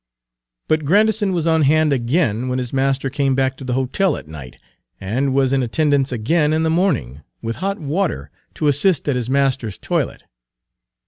Page 187 But Grandison was on hand again when his master came back to the hotel at night, and was in attendance again in the morning, with hot water, to assist at his master's toilet.